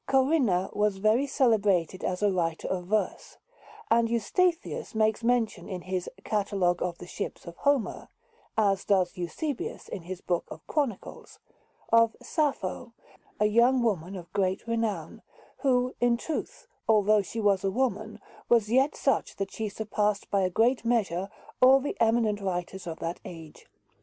Corinna was very celebrated as a writer of verse, and Eustathius makes mention in his "Catalogue of the Ships of Homer" as does Eusebius in his book of "Chronicles" of Sappho, a young woman of great renown, who, in truth, although she was a woman, was yet such that she surpassed by a great measure all the eminent writers of that age.